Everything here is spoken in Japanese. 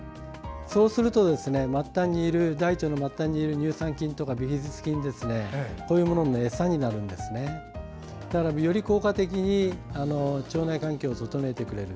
そうすると大腸の末端にいる乳酸菌とかビフィズス菌の餌になるので、より効果的に腸内環境を整えてくれる。